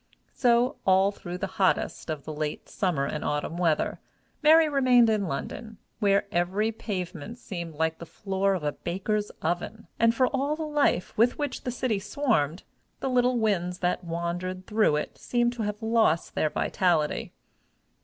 So, all through the hottest of the late summer and autumn weather, Mary remained in London, where every pavement seemed like the floor of a baker's oven, and, for all the life with which the city swarmed, the little winds that wandered through it seemed to have lost their vitality.